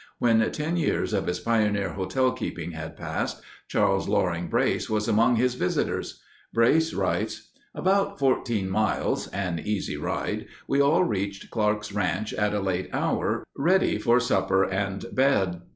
When ten years of his pioneer hotel keeping had passed, Charles Loring Brace was among his visitors. Brace writes: After fourteen miles—an easy ride—we all reached Clark's Ranch at a late hour, ready for supper and bed.